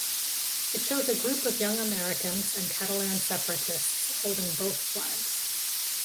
It shows a group of young Americans and Catalan separatists holding both flags.